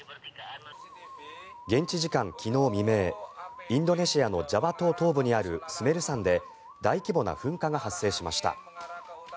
現地時間昨日未明インドネシアのジャワ島東部にあるスメル山で大規模な噴火が発生しました。